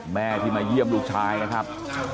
แม่ที่มาเยี่ยมลูกชายนะครับ